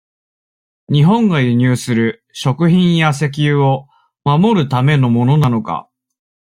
日本が輸入する、食品や石油を、守るためのものなのか。